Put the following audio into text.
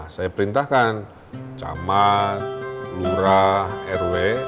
saya perintahkan camat lurah rw